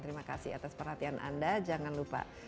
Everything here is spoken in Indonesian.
terima kasih atas perhatian anda jangan lupa